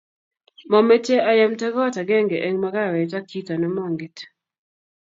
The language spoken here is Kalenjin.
momeche ayemta koot agenge eng makawet ak chito nemonget